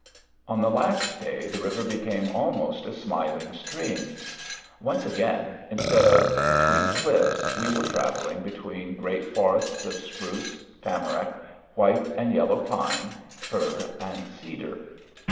On the last day, the river became almost a smiling stream. Once again, instead of between cliffs, we were traveling between great forests of spruce, tamarack, white and yellow pine, fir, and cedar.